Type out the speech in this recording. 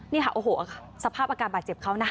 นี่ค่ะโอ้โหสภาพอาการบาดเจ็บเขานะ